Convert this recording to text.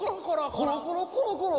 コロコロコロコロ。